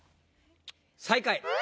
最下位。